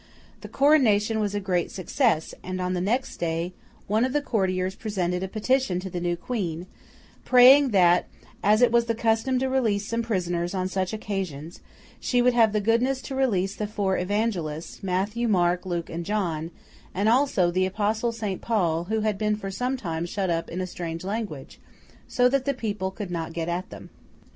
The coronation was a great success; and, on the next day, one of the courtiers presented a petition to the new Queen, praying that as it was the custom to release some prisoners on such occasions, she would have the goodness to release the four Evangelists, Matthew, Mark, Luke, and John, and also the Apostle Saint Paul, who had been for some time shut up in a strange language so that the people could not get at them.